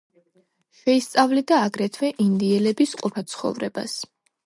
შეისწავლიდა აგრეთვე ინდიელების ყოფაცხოვრებას.